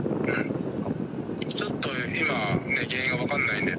ちょっと今原因が分からないです。